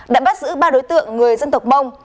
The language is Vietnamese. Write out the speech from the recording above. đã bắt giữ ba đối tượng người dân tộc mông